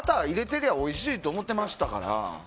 てりゃおいしいと思ってましたから。